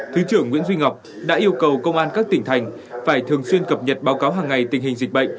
thứ trưởng nguyễn duy ngọc đã yêu cầu công an các tỉnh thành phải thường xuyên cập nhật báo cáo hàng ngày tình hình dịch bệnh